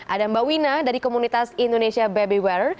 ada mbak wina dari komunitas indonesia babywear